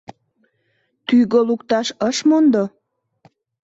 Тӱгӧ лукташ ыш мондо?